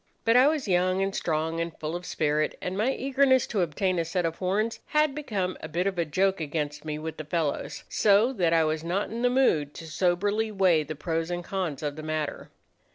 But I was young and strong and full of spirit, and my eagerness to obtain a set of horns had become a bit of a joke against me with the fellows; so that I was not in the mood to soberly weigh the pros and cons of the matter.